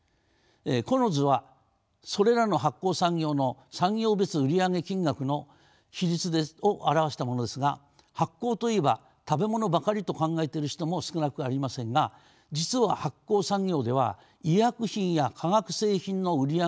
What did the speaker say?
この図はそれらの発酵産業の産業別売上金額の比率を表したものですが発酵といえば食べ物ばかりと考えてる人も少なくありませんが実は発酵産業では医薬品や化学製品の売り上げの方が多いというのが現状です。